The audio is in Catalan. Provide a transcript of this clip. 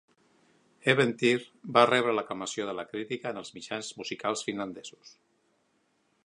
Eventyr va rebre l'aclamació de la crítica en els mitjans musicals finlandesos.